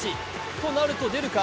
となると出るか？